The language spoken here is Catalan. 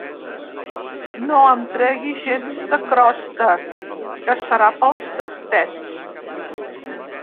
No em tregui gens de crosta, que serà pels gatets.